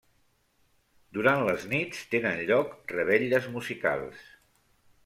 Durant les nits tenen lloc revetles musicals.